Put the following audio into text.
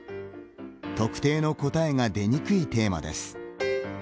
特定の答えが出にくいテーマです。